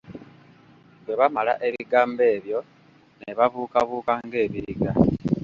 Bwe bamala ebigambo ebyo, ne babuukabuuka ng'ebiriga.